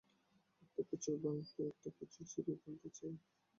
একটা কিছু ভাঙতে, একটা কিছু ছিঁড়ে ফেলতে চায়।